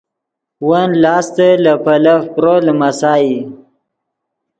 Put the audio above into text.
ون لاستے لے پیلف پرو لیمسائی